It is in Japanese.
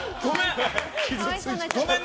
ごめん！